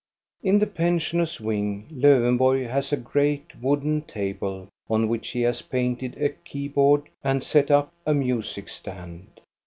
In the pensioners' wing Ldwenborg has a great wooden table, on which he has painted a keyboard ind set up a music stand.